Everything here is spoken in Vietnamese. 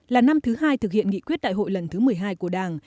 là năm thứ hai thực hiện nghị quyết đại hội lần thứ một mươi hai của đảng